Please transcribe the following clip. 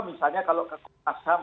misalnya kalau ke komnas ham